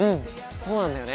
そうなんだよね。